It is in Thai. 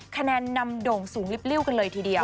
คะแนนนำโด่งสูงลิปริ้วกันเลยทีเดียว